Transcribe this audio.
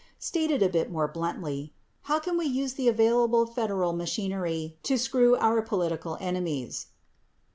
Stated a hit more bluntly — how can we use the available federal machinery to screw our 'political enemies.